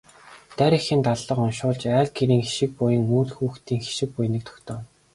Дарь эхийн даллага уншуулж айл гэрийн хишиг буян, үр хүүхдийн хишиг буяныг тогтооно.